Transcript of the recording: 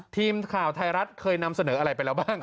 ทีมข่าวไทยรัฐเคยนำเสนออะไรไปแล้วบ้าง